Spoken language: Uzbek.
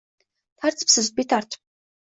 Tartibsiz - betartib